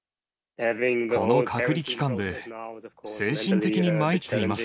この隔離期間で精神的に参っています。